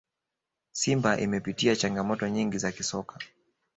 simba imepitia changamoto nyingi za kisoka